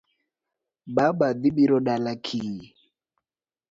Baba dhi biro dala kiny